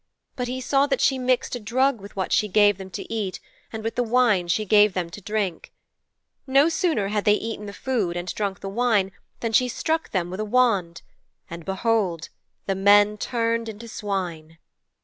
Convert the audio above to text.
But he saw that she mixed a drug with what she gave them to eat and with the wine she gave them to drink. No sooner had they eaten the food and drunk the wine than she struck them with a wand, and behold! the men turned into swine.